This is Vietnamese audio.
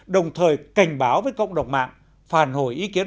đồng thời cảnh báo với cộng đồng mạng phản hồi ý kiến